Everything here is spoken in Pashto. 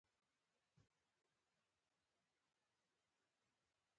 عبدالکریم خرم،